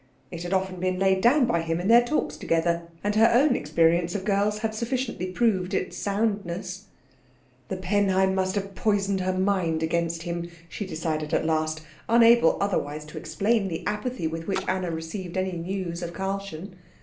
It had often been laid down by him in their talks together, and her own experience of girls had sufficiently proved its soundness. "The Penheim must have poisoned her mind against him," she decided at last, unable otherwise to explain the apathy with which Anna received any news of Karlchen.